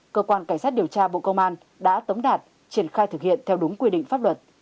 cơ quan cảnh sát điều tra bộ công an đã tống đạt triển khai thực hiện theo đúng quy định pháp luật